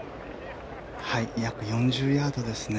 約４０ヤードですね。